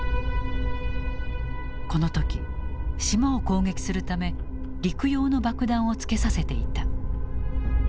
この時島を攻撃するため陸用の爆弾をつけさせていた。